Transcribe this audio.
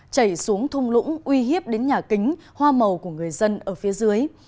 chảy xuống thung lũng uy hiếp đến nhà kính hoa màu của người dân ở phía dưới